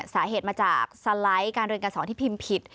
สาเหตุมาจากสไลด์การเรียนการสอนที่พิมพ์ผิด